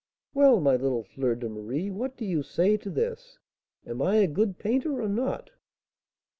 "Well, my little Fleur de Marie, what do you say to this? Am I a good painter, or not?"